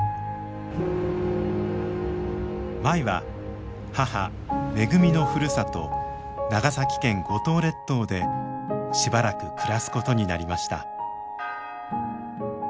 舞は母めぐみのふるさと長崎県五島列島でしばらく暮らすことになりました。